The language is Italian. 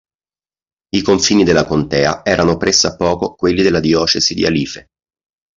I confini della contea erano pressappoco quelli della Diocesi di Alife.